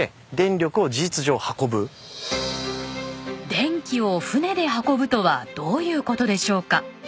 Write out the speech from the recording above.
電気を船で運ぶとはどういう事でしょうか？